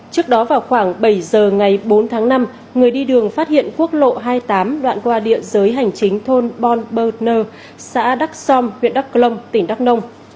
trước đó vào khoảng bảy giờ ngày bốn tháng năm người đi đường phát hiện quốc lộ hai mươi tám đoạn qua địa giới hành chính thôn bon berners xã đắk som huyện đắk công tỉnh đắk nông